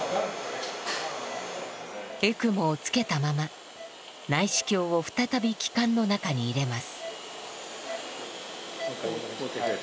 エクモをつけたまま内視鏡を再び気管の中に入れます。